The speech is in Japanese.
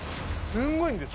すんごいんです。